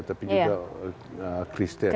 tapi juga kristian